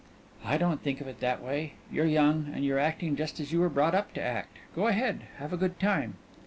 "I don't think of it that way. You're young, and you're acting just as you were brought up to act. Go ahead have a good time?"